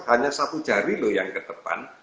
hanya satu jari loh yang ke depan